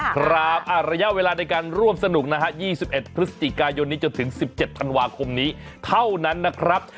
ครับระยะเวลาในการร่วมสนุกนะฮะ๒๑พฤศจิกายนนี้จนถึง๑๗ธันวาคมนี้เท่านั้นนะครับ